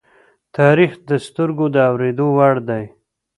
تاریخ د سترگو د اوریدو وړ دی.